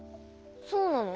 そうなの？